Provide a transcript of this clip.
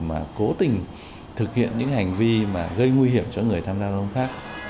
mà cố tình thực hiện những hành vi gây nguy hiểm cho người tham gia